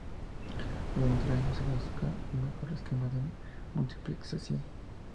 Durante años se buscó un mejor esquema de multiplexación.